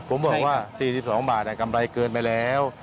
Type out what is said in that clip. ผมบอกว่า๔๒บาทกำไรเกินไปแล้ว